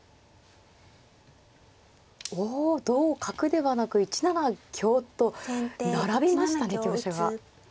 お同角ではなく１七香と並びましたね香車が。